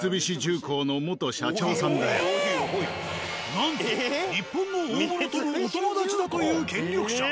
なんと日本の大物ともお友達だという権力者。